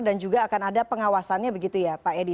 dan juga akan ada pengawasannya begitu ya pak edi